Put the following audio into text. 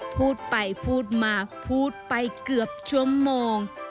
พูดไปพูดมาพูดไปเกือบชั่วโมง